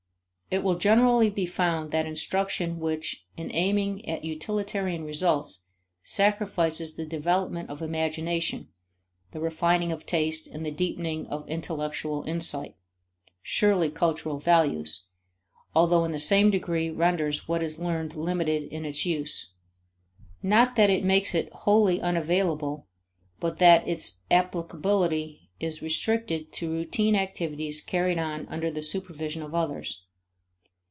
It will generally be found that instruction which, in aiming at utilitarian results, sacrifices the development of imagination, the refining of taste and the deepening of intellectual insight surely cultural values also in the same degree renders what is learned limited in its use. Not that it makes it wholly unavailable but that its applicability is restricted to routine activities carried on under the supervision of others.